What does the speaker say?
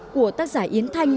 của tác giả yến thanh